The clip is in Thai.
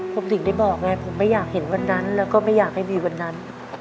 ผมถึงได้บอกไงผมไม่อยากเห็นวันนั้นแล้วก็ไม่อยากให้มีวันนั้น